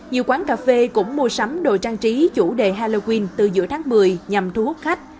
nhiều quán cà phê cũng mua sắm đồ trang trí chủ đề halloween từ giữa tháng một mươi nhằm thu hút khách